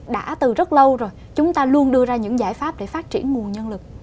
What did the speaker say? đã từ rất lâu rồi chúng ta luôn đưa ra những giải pháp để phát triển nguồn nhân lực